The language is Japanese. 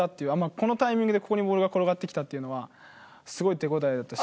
このタイミングでここにボールが転がってきたっていうのはすごい手応えだったし。